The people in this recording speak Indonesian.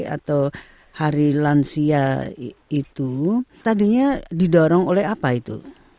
atau hari lansia itu tadinya didorong oleh apa itu